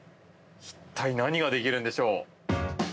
一体、何ができるんでしょう？